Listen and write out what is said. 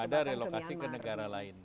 ada relokasi ke negara lain